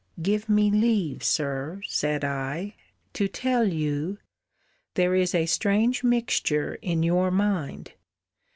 Give me leave, Sir, said I, to tell you, there is a strange mixture in your mind.